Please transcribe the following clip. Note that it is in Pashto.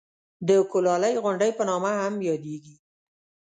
د کولالۍ غونډۍ په نامه هم یادېږي.